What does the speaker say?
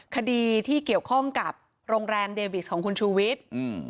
คดีที่เกี่ยวข้องกับโรงแรมเดวิสของคุณชูวิทย์